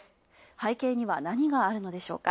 背景には何があるのでしょうか。